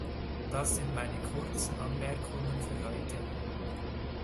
Das sind meine kurzen Anmerkungen für heute.